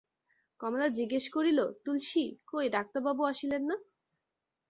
কমলা জিজ্ঞাসা করিল, তুলসী, কই ডাক্তারবাবু আসিলেন না?